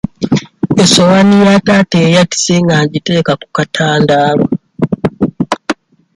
Essowaani ya taata eyatise nga ngiteeka ku katandaalo.